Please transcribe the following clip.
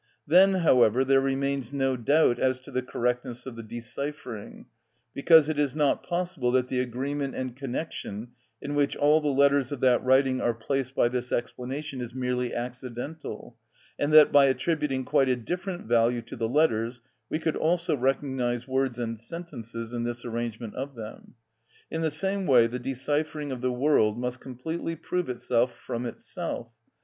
Then, however, there remains no doubt as to the correctness of the deciphering, because it is not possible that the agreement and connection in which all the letters of that writing are placed by this explanation is merely accidental, and that by attributing quite a different value to the letters we could also recognise words and sentences in this arrangement of them. In the same way the deciphering of the world must completely prove itself from itself.